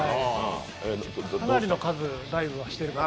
かなりの数、ダイブはしてるかと。